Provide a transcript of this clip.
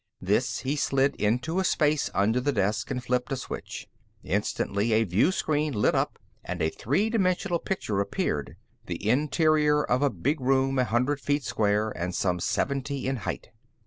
This he slid into a space under the desk and flipped a switch. Instantly, a view screen lit up and a three dimensional picture appeared the interior of a big room a hundred feet square and some seventy in height.